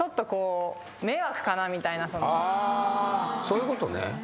あーそういうことね。